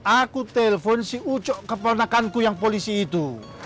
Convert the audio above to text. aku telpon si ucok keponakanku yang polisi itu